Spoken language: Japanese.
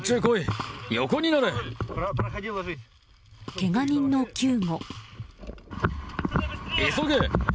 けが人の救護。